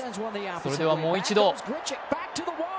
それではもう一度。